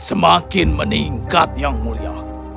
semakin meningkat yang mulia